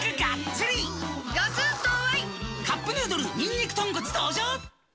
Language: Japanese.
カップヌードルにんにく豚骨